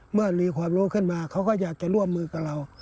เมื่อมีความรู้ขึ้นมาเขาก็อยากจะร่วมมือกับเรา